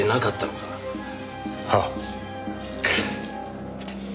ああ。